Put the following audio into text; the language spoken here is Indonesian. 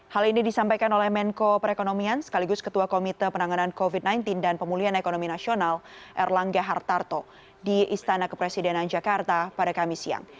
hal ini disampaikan oleh menko perekonomian sekaligus ketua komite penanganan covid sembilan belas dan pemulihan ekonomi nasional erlangga hartarto di istana kepresidenan jakarta pada kamis siang